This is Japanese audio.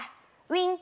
ウィン。